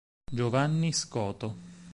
Giovanni Scoto